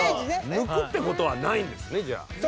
抜くってことはないんですね、じゃあ。